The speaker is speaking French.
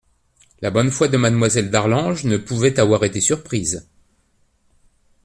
La bonne foi de Mademoiselle d'Arlange ne pouvait avoir été surprise.